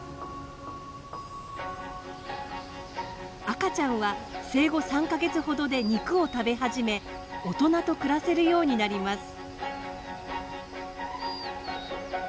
赤ちゃんは生後３か月ほどで肉を食べ始め大人と暮らせるようになります。